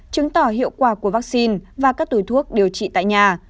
chứng tỏ hiệu quả của vaccine và các túi thuốc điều trị tại nhà